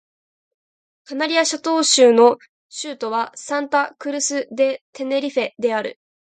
カナリア諸島州の州都はサンタ・クルス・デ・テネリフェである